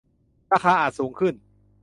ราคาอาจสูงขึ้น